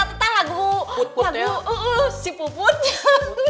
aku tahu lagu lagu si puputnya